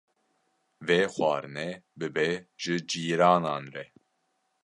Vê xwarinê bibe ji cîranan re.